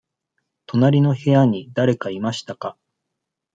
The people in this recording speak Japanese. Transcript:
隣の部屋にだれかいましたか。